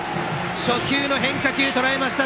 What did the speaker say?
初球の変化球をとらえました。